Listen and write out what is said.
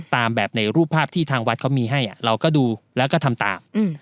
ตามแบบในรูปภาพที่ทางวัดเขามีให้เราก็ดูแล้วก็ทำตาม